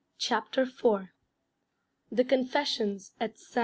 CHAPTER IV THE CONFESSIONS AT ST.